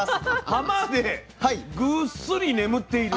浜でぐっすり眠っている。